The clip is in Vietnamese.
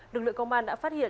đực lượng công an đã phát hiện